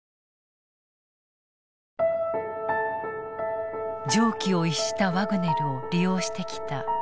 常軌を逸したワグネルを利用してきたプーチン大統領。